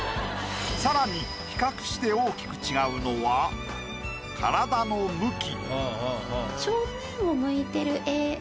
さらに比較して大きく違うのは体の向き。